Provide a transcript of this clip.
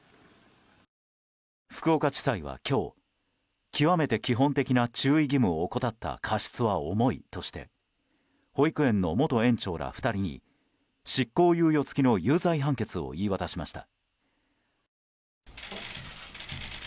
福岡地裁は今日極めて基本的な注意義務を怠った過失は重いとして保育園の元園長ら２人に執行猶予付きの有罪判決を言い渡しました。